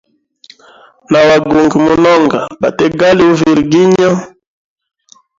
Na wagungi munonga, bategali uviliginya.